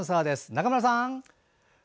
中村さん！